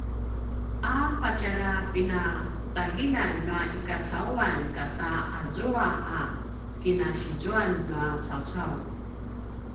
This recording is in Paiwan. a patjarapinatagiljan nua i kacauan kata azua a kinasizuan nua cawcau